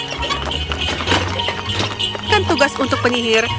dan menjadikan tugas untuk penyihir